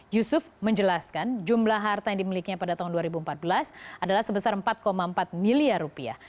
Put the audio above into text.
yusuf menjelaskan jumlah harta yang dimilikinya pada tahun dua ribu empat belas adalah sebesar empat empat miliar rupiah